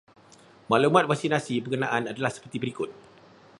Maklumat vaksinasi berkenaan adalah seperti berikut.